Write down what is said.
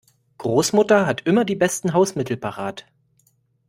Großmutter hat immer die besten Hausmittel parat.